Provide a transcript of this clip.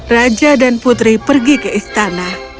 raja dan putri pergi ke istana